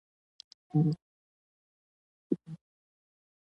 ښکلے چې مسکې په ټيټو سترګو شي